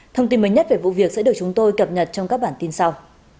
thông tin mới nhất về vụ việc sẽ được chúng tôi cập nhật trong các bản tin sau